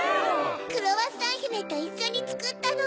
クロワッサンひめといっしょにつくったの。